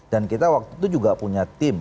dan kita waktu itu juga punya tim